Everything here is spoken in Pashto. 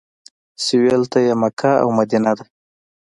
سویل ته یې مکه او مدینه ده.